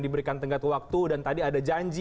diberikan tenggat waktu dan tadi ada janji